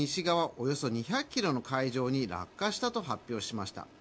およそ２００ｋｍの海上に落下したと発表しました。